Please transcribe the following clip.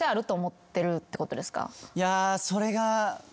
いやそれがね